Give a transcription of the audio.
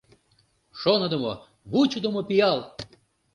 Шоныдымо, вучыдымо пиал!